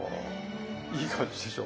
いい感じでしょ？